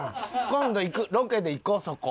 今度ロケで行こうそこ。